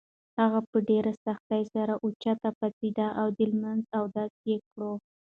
هغه په ډېرې سختۍ سره اوچته پاڅېده او د لمانځه اودس یې وکړ.